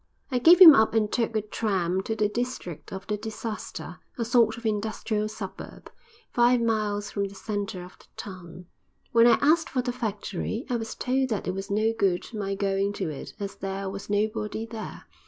I gave him up and took a tram to the district of the disaster; a sort of industrial suburb, five miles from the center of the town. When I asked for the factory, I was told that it was no good my going to it as there was nobody there.